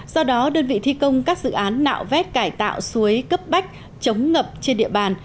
do đó đơn vị thi công các dự án nạo vét cải tạo suối cấp bách chống ngập trên địa bàn